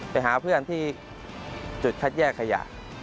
ไปหาเพื่อนที่จุดคัดแยกขยะ